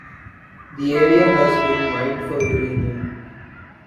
The area has been mined for uranium.